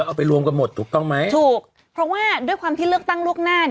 เอาไปรวมกันหมดถูกต้องไหมถูกเพราะว่าด้วยความที่เลือกตั้งล่วงหน้า